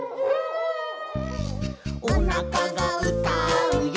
「おなかがうたうよ」